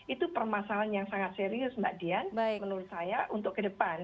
itu permasalahan yang sangat serius mbak dian menurut saya untuk ke depan